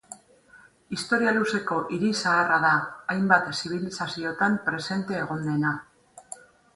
Historia luzeko hiri zaharra da, hainbat zibilizaziotan presente egon dena.